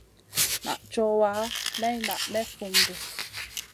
Naʼ cowa, maï naʼ may fum ɗi.